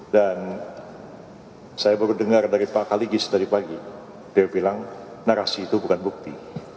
dan saya baru dengar dari pak kaligis tadi pagi dia bilang narasi itu bukan bukti